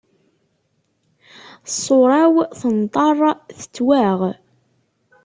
Ṣṣura-w tenṭer tettwaɣ.